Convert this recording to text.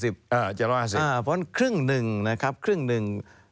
เพราะนั้นครึ่ง๑นะครับครึ่ง๑